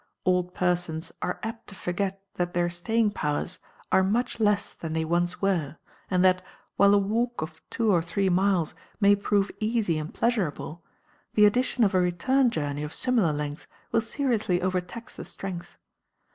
Old persons are apt to forget that their staying powers are much less than they once were, and that, while a walk of two or three miles may prove easy and pleasurable, the addition of a return journey of similar length will seriously overtax the strength.